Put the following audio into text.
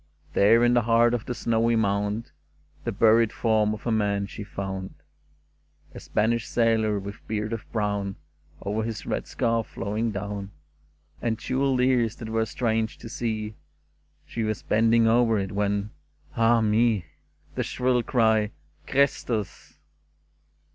There, in the heart of the snowy mound. The buried form of a man she found — A Spanish sailor, with beard of brown Over his red scarf flowing down. And jewelled ears that were strange to see. She was bending over it, when — ah me ! The shrill cry, "Christus!